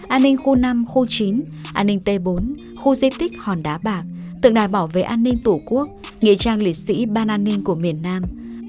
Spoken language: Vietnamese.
an ninh khu năm khu chín an ninh t bốn khu di tích hòn đá bạc tượng đài bảo vệ an ninh tổ quốc nghệ trang liệt sĩ ban an ninh của miền nam